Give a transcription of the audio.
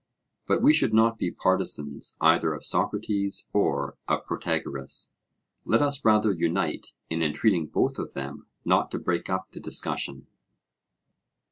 But we should not be partisans either of Socrates or of Protagoras; let us rather unite in entreating both of them not to break up the discussion.